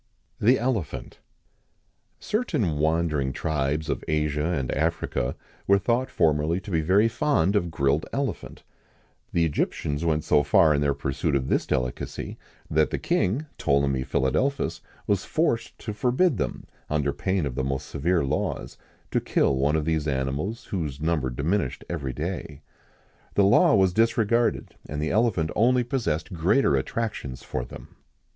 THE ELEPHANT. Certain wandering tribes of Asia and Africa were thought formerly to be very fond of grilled elephant.[XIX 114] The Egyptians went so far in their pursuit of this delicacy, that the King Ptolemy Philadelphus was forced to forbid them, under pain of the most severe laws, to kill one of these animals, whose number diminished every day. The law was disregarded, and the elephant only possessed greater attractions for them.